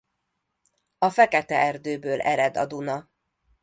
A Fekete-erdőből ered a Duna.